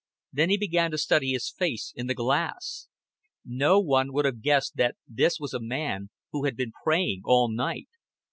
Then he began to study his face in the glass. No one would have guessed that this was a man who had been praying all night.